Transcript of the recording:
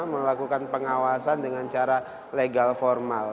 melakukan pengawasan dengan cara legal formal